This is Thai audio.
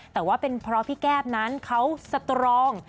แต่ว่าเป็นเพราะพี่แก้มนั้นเขาสตรอง